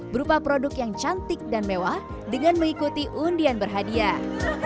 berupa produk yang cantik dan mewah dengan mengikuti undian berhadiah